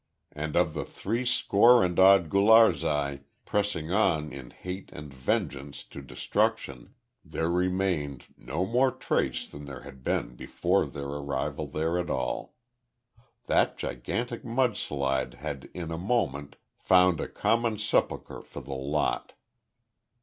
And of the three score and odd Gularzai pressing on in hate and vengeance to destruction there remained no more trace than there had been before their arrival there at all. That gigantic mud slide had in a moment found a common sepulchre for the lot.